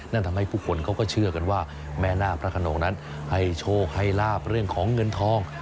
นั่นทำให้ผู้คนเขาก็เชื่อกันว่าแม่นาคพระขนงนั้นให้โชคให้ลาบเรื่องของเงินทอง